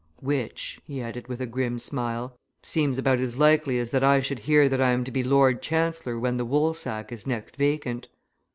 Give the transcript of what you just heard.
"Which," he added, with a grim smile, "seems about as likely as that I should hear that I am to be Lord Chancellor when the Woolsack is next vacant!"